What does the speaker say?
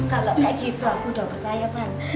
kalau kayak gitu aku udah percaya van